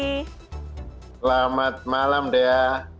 selamat malam dea